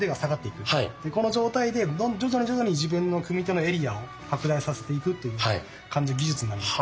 この状態で徐々に徐々に自分の組み手のエリアを拡大させていくという技術になります。